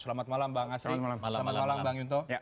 selamat malam bang asri selamat malam bang yunto